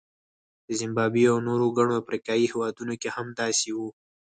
په زیمبابوې او نورو ګڼو افریقایي هېوادونو کې هم داسې وو.